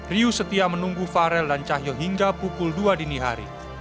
riu setia menunggu farel dan cahyo hingga pukul dua dini hari